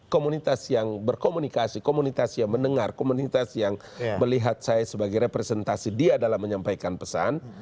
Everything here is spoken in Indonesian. komunitas yang berkomunikasi komunitas yang mendengar komunitas yang melihat saya sebagai representasi dia dalam menyampaikan pesan